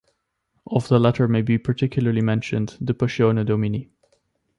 Of the latter may be particularly mentioned "De passione Domini".